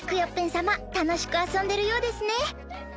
さまたのしくあそんでるようですね。